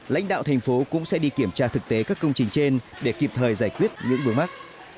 lãnh đạo thành phố cũng sẽ đi kiểm tra thực tế các công trình trên để kịp thời giải quyết những vướng mắt